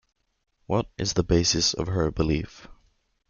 What is the basis of her belief?